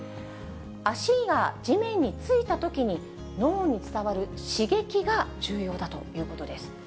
足が地面に着いたときに脳に伝わる刺激が重要だということです。